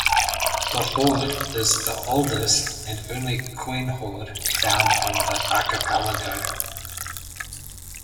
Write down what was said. The hoard is the oldest and only coin hoard found on the archipelago.